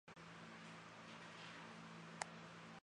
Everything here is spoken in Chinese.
由五十七名司铎名管理三十一个堂区。